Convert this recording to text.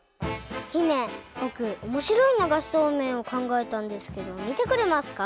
姫ぼくおもしろいながしそうめんをかんがえたんですけどみてくれますか？